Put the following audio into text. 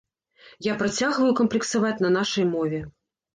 Я працягваю камплексаваць на нашай мове.